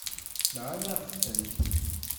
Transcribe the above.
Nɣan-aɣ-tent.